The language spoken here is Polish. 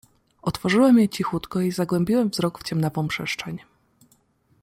"Otworzyłem je cichutko i zagłębiłem wzrok w ciemnawą przestrzeń."